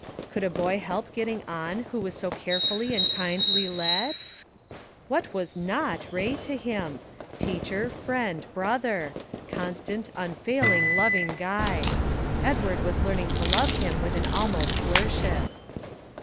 Could a boy help getting on who was so carefully and kindly led? What was not Ray to him? teacher, friend, brother; constant, unfailing, loving guide. Edward was learning to love him with an almost worship.